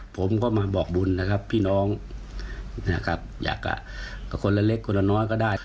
ผมก็มาบอกบุญนะครับพี่น้องนะครับอยากกับคนละเล็กคนละน้อยก็ได้